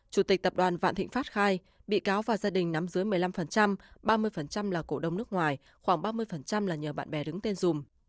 chủ tịch tập đoàn vạn thịnh pháp khai bị cáo và gia đình nắm dưới một mươi năm ba mươi là cổ đông nước ngoài khoảng ba mươi là nhờ bạn bè đứng tên dùm